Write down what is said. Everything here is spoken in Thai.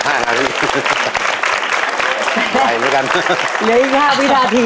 เหลืออีก๕วินาที